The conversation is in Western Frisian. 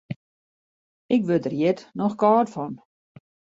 Ik wurd der hjit noch kâld fan.